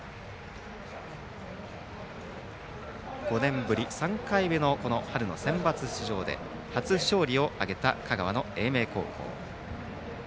５年ぶり３回目の春のセンバツ出場で初勝利を挙げた香川の英明高校。